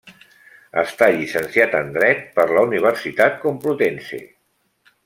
Està llicenciat en Dret per la Universitat Complutense.